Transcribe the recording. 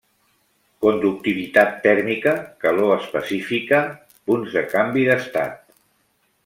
Conductivitat tèrmica, calor específica, punts de canvi d'estat.